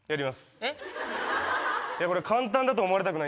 えっ？